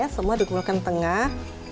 semua dikumpulkan di tengah